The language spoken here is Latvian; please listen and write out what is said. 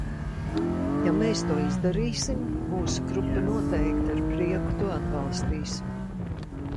Ja mēs to izdarīsim, mūsu grupa noteikti ar prieku to atbalstīs.